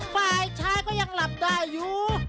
ฝ่ายชายก็ยังหลับได้อยู่